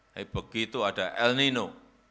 tapi begitu ada el nino